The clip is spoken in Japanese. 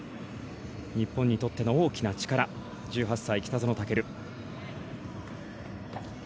日本にとっての大きな力１８歳、北園丈琉。